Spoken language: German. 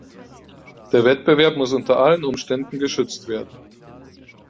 Der Wettbewerb muss unter allen Umständen geschützt werden.